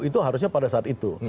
itu harusnya pada saat itu